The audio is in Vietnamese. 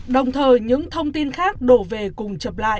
đồng thời những thông tin khác đổ về cùng chập lại